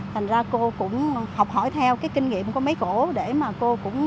thành ra cô cũng học hỏi theo cái kinh nghiệm của mấy cổ để mà cô cũng